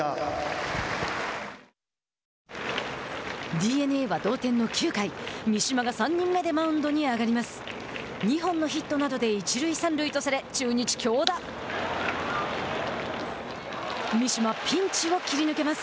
ＤｅＮＡは同点の９回三嶋が３人目でマウンドに上がります。